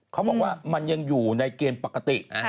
เขาบอกว่ามันยังอยู่ในเกณฑ์ปกติ